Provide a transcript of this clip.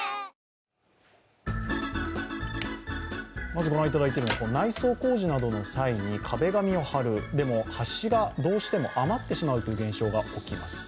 まず御覧いただいているのは内装工事の際に、壁紙を貼る、でもどうしても余ってしまうという現象が起きます。